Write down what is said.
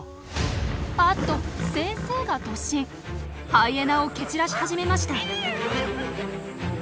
ハイエナを蹴散らし始めました。